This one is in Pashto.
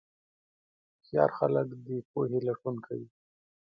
هوښیار خلک د پوهې لټون کوي.